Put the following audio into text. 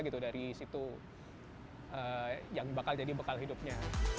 jadi itu yang bakal jadi bekal hidupnya